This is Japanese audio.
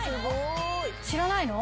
知らないの？